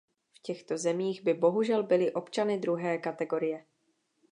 V těchto zemích by bohužel byli občany druhé kategorie.